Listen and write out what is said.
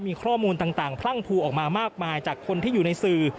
มีข้อมูลต่างพรั่งพูออกมามากมายจากคนที่อยู่ในสื่อ